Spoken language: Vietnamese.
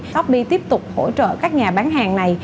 shope tiếp tục hỗ trợ các nhà bán hàng này